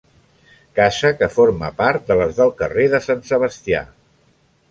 Casa que forma part de les del carrer de Sant Sebastià.